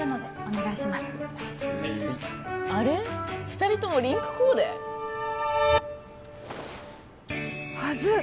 二人ともリンクコーデ？はずっ！